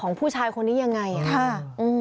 ของผู้ชายคนนี้อย่างไร